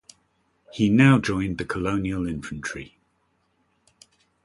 He now joined the colonial infantry.